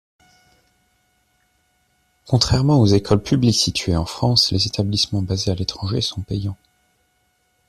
Contrairement aux écoles publiques situées en France, les établissements basés à l'étranger sont payants.